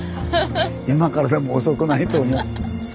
今からでも遅くないと思う。